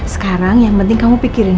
sekarang yang penting kamu pikirin